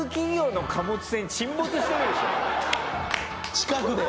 近くで？